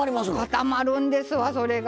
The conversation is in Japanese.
固まるんですよ、それが。